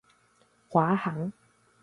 華航